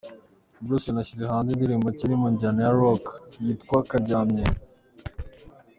Bruce yanashyize hanze indirimbo nshya iri mu njyana ya Rock yitwa “Karyamyenda”.